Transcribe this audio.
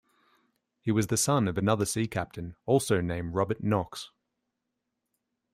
He was the son of another sea captain, also named Robert Knox.